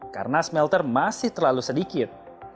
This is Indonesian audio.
karena smelter masih terlalu sedikit